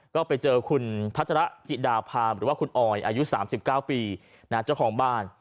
ก็ไปเจอคุณพัชระจิดาพามหรือว่าคุณออยอายุ๓๙ปีเจ้าของบ้าน